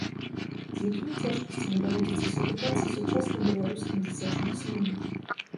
З якімі цяжкасцямі даводзіцца сутыкацца сучасным беларускім дзіцячым пісьменнікам?